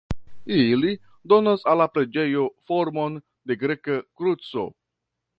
Ili donas al la preĝejo formon de greka kruco.